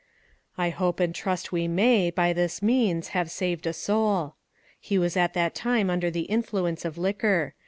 I hope and trust we may, by this means, have saved a soul. He was at that time under the influence of liquor.